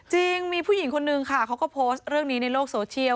จริงมีผู้หญิงคนนึงค่ะเขาก็โพสต์เรื่องนี้ในโลกโซเชียล